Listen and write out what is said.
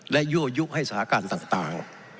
และยั่วยุให้สถานการณ์ต่าง